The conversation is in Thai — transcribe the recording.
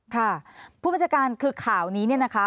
ค่ะผู้บัญชาการคือข่าวนี้เนี่ยนะคะ